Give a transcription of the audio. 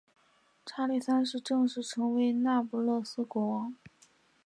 查理三世正式成为那不勒斯国王。